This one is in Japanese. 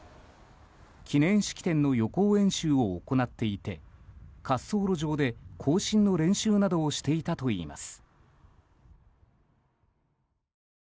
記念式典の予行演習を行っていて滑走路上で行進の練習などをしていたといいます。